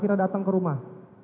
kira kira datang ke rumah